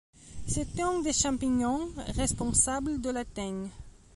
C’est un des champignons responsable de la teigne.